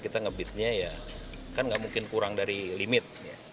kita nge beatnya ya kan nggak mungkin kurang dari limit